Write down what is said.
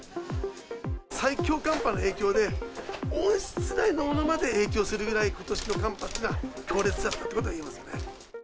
最強寒波の影響で、温室内のものまで影響するぐらい、ことしの寒波っていうのは、強烈だったということがいえますよね。